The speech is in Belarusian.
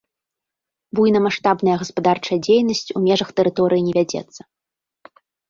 Буйнамаштабная гаспадарчая дзейнасць у межах тэрыторыі не вядзецца.